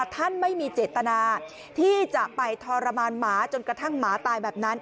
ท่านไม่มีเจตนาที่จะไปทรมานหมาจนกระทั่งหมาตายแบบนั้น